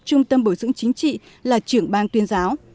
trung tâm bồi dưỡng chính trị là trưởng bang tuyên giáo